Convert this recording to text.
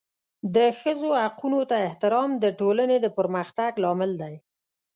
د ښځو حقونو ته احترام د ټولنې د پرمختګ لامل دی.